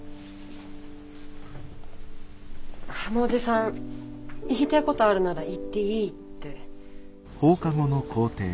あのおじさん言いたいことあるなら言っていいって。